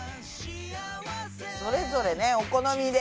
それぞれねお好みで。